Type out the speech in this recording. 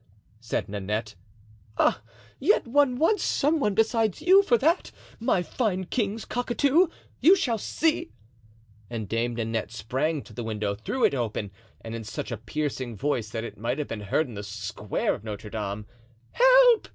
said Nanette. "Ah! yet one wants some one besides you for that, my fine king's cockatoo! You shall see." And Dame Nanette sprang to the window, threw it open, and in such a piercing voice that it might have been heard in the square of Notre Dame: "Help!"